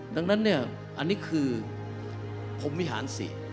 ดังนั้นเนี่ยอันนี้คือพรมวิหารสิ